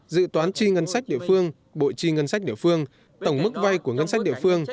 dự toán chi ngân sách địa phương bộ chi ngân sách địa phương tổng mức vay của ngân sách địa phương